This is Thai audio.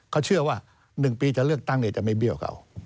เขาเชื่อว่า๑ปีจะเลือกตั้งจะไม่เบี้ยวเขา